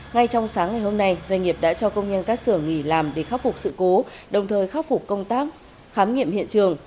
ngay trong sáng ngày hôm nay doanh nghiệp đã cho công nhân các xưởng nghỉ làm để khắc phục sự cố đồng thời khắc phục công tác khám nghiệm hiện trường